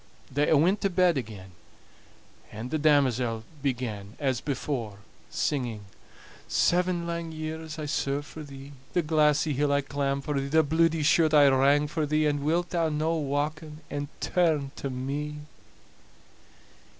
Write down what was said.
They a' went to bed again, and the damosel began, as before, singing: "Seven lang years I served for thee, The glassy hill I clamb for thee, The bluidy shirt I wrang for thee; And wilt thou no wauken and turn to me?"